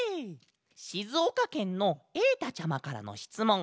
しずおかけんのえいたちゃまからのしつもん。